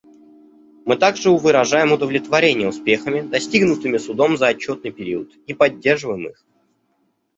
Мы также выражаем удовлетворение успехами, достигнутыми Судом за отчетный период, и поддерживаем их.